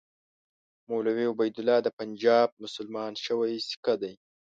مولوي عبیدالله د پنجاب مسلمان شوی سیکه دی.